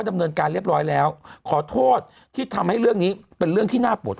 ดำเนินการเรียบร้อยแล้วขอโทษที่ทำให้เรื่องนี้เป็นเรื่องที่น่าปวด